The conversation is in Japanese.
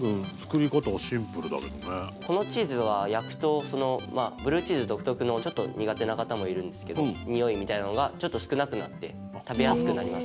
このチーズは焼くとまあブルーチーズ独特のちょっと苦手な方もいるんですけどにおいみたいなのがちょっと少なくなって食べやすくなります。